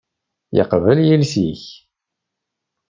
Yeqbeḥ yiles-ik.